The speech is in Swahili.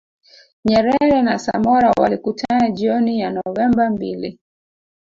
Nyerere na Samora walikutana jioni ya Novemba mbili